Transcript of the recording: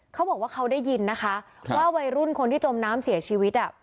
เขาบอกว่าเขาได้ยินนะคะว่าวัยรุ่นคนที่จมน้ำเสียชีวิต